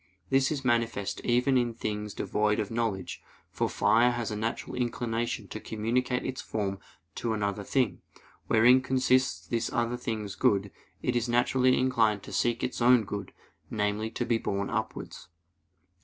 This is manifest even in things devoid of knowledge: for fire has a natural inclination to communicate its form to another thing, wherein consists this other thing's good; as it is naturally inclined to seek its own good, namely, to be borne upwards.